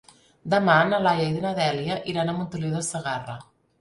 Demà na Laia i na Dèlia iran a Montoliu de Segarra.